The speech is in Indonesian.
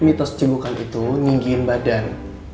mitos cegukan itu nginggin badan